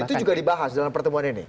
dan itu juga dibahas dalam pertemuan ini